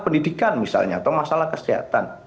pendidikan misalnya atau masalah kesehatan